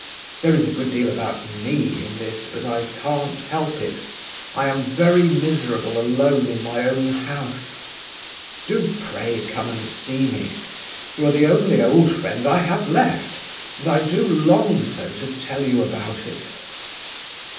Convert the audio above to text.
There is a good deal about 'me' in this, but I can't help it. I am very miserable alone in my own house. Do pray come and see me! You are the only old friend I have left, and I do long so to tell you about it.